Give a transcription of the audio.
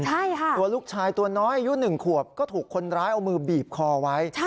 ใช่ค่ะตัวลูกชายตัวน้อยอายุ๑ขวบก็ถูกคนร้ายเอามือบีบคอไว้